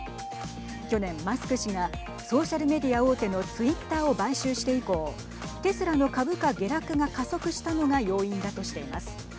去年マスク氏がソーシャルメディア大手のツイッターを買収して以降テスラの株価下落が加速したのが要因だとしています。